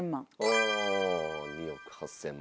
ああ２億８０００万。